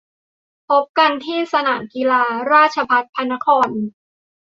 พบกันที่สนามกีฬา ราชภัฏพระนคร !